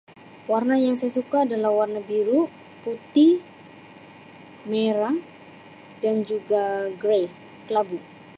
Warna yang saya suka adalah warna biru, putih, merah dan juga grey kelabu.